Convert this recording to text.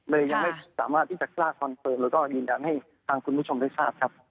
เลยยังไม่สามารถพลิกจากกราษออนเฟิร์มหรือก็ยินดำให้ทางคุณผู้ชมได้รู้ครับ